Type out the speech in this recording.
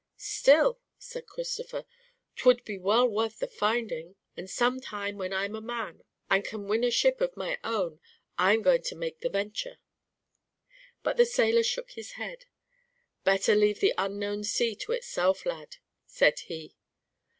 "Still," said Christopher, "'twould be well worth the finding, and some time when I'm a man and can win a ship of my own I'm going to make the venture." But the sailor shook his head. "Better leave the unknown sea to itself, lad," said he.